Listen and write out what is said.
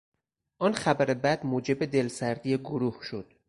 آن خبر بد موجب دلسردی گروه شد.